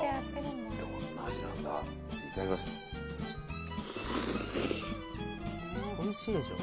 どんな味なんだろう。